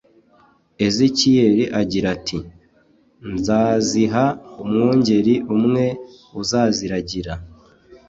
Ezekiel agira ati: "Nzaziha umwungeri umwe uzaziragira."